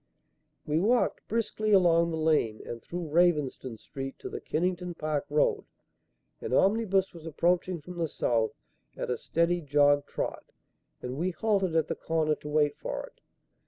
We walked briskly along the lane and through Ravensden Street to the Kennington Park Road. An omnibus was approaching from the south at a steady jog trot and we halted at the corner to wait for it.